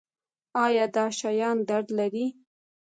ایا دا شیان درد لري؟